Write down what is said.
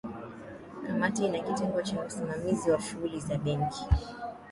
kamati ina kitengo cha usimamizi wa shughuli za benki